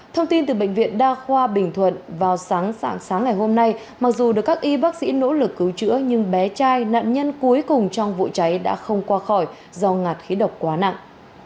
thông tin từ bệnh viện đa khoa bình thuận vào sáng sáng ngày hôm nay mặc dù được các y bác sĩ nỗ lực cứu chữa nhưng bé trai nạn nhân cuối cùng trong vụ cháy đã không qua khỏi do ngạt khí độc quá nặng